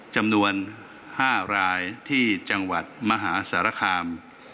จำนวน๕รายที่จังหวัดมหาสารคาม